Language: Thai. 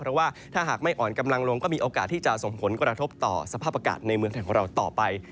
เพราะว่าถ้าหากไม่อ่อนกำลังลงก็มีโอกาสที่จะส่งผลกระทบต่อสภาพอากาศในเมืองไทยของเราต่อไป